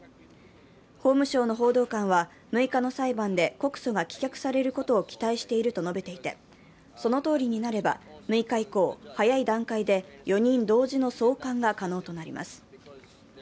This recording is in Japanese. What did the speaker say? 法務省の報道官は、６日の裁判で告訴が棄却されることを期待していると述べていて、そのとおりになれば、６日以降早い段階で４人同時の送還が可能となります。